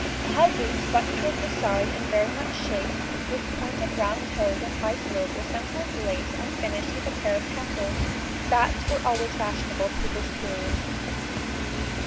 High boots buttoned towards the side and very much shaped, with pointed round toes and high heels were sometimes laced and finished with a pair of tassels. Spats were always fashionable through this period.